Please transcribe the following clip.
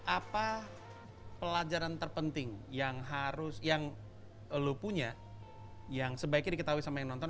apa pelajaran terpenting yang harus yang lo punya yang sebaiknya diketahui sama yang nonton